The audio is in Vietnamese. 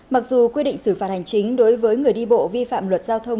mặc dù quy định xử phạt hành chính đối với người đi bộ vi phạm luật giao thông